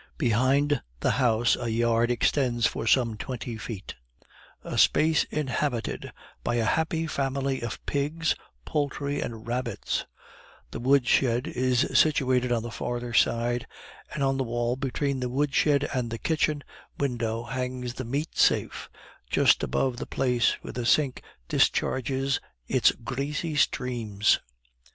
Behind the house a yard extends for some twenty feet, a space inhabited by a happy family of pigs, poultry, and rabbits; the wood shed is situated on the further side, and on the wall between the wood shed and the kitchen window hangs the meat safe, just above the place where the sink discharges its greasy streams.